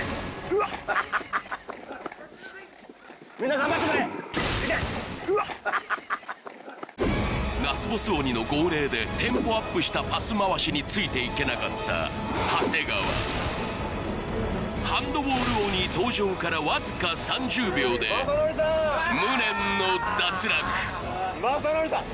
うわっラスボス鬼の号令でテンポアップしたパス回しについていけなかった長谷川ハンドボール鬼登場からわずか３０秒で無念の脱落まさのりさん！